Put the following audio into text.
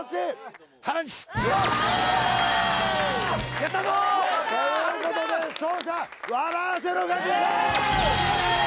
やったぞ！ということで勝者笑アセろ学園！